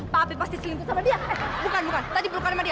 papi pasti selingkuh sama dia eh bukan bukan